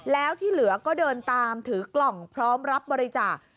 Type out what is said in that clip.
แล้วที่เหลือก็เดินตามถือกล่องพร้อมรับบริจาค